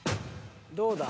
どうだ？